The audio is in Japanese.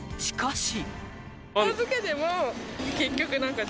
しかし。